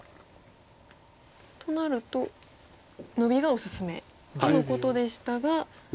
となるとノビがおすすめ。とのことでしたが実戦は。